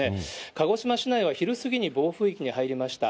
鹿児島市内は昼過ぎに暴風域に入りました。